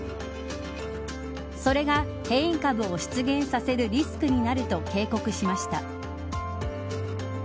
それが変異株を出現させるリスクになると警告しました。